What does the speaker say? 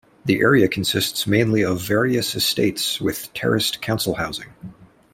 The area consists mainly of various estates, with terraced Council housing.